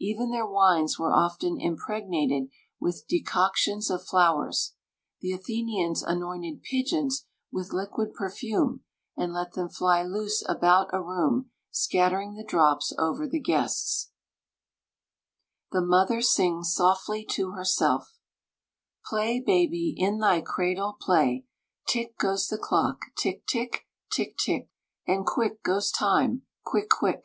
Even their wines were often impregnated with decoctions of flowers. The Athenians anointed pigeons with liquid perfume, and let them fly loose about a room, scattering the drops over the guests. THE MOTHER SINGS SOFTLY TO HERSELF: Play, baby, in thy cradle play Tick goes the clock, tick tick, tick tick; And quick goes time, quick, quick!